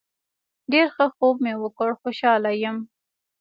ډیر ښه خوب مې وکړ خوشحاله یم